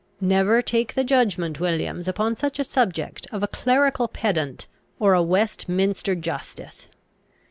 Never take the judgment, Williams, upon such a subject, of a clerical pedant or a Westminster justice.